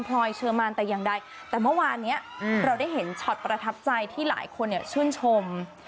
แต่เมื่อวานนี้เจ้ามีตีชอดประกัทษ์ที่ช่วยชม